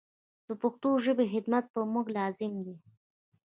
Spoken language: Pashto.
د پښتو ژبي خدمت پر موږ لازم دی.